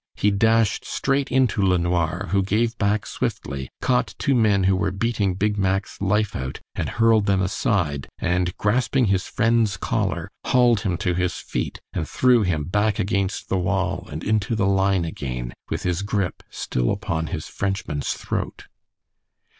he dashed straight into LeNoir, who gave back swiftly, caught two men who were beating Big Mack's life out, and hurled them aside, and grasping his friend's collar, hauled him to his feet, and threw him back against the wall and into the line again with his grip still upon his Frenchman's throat.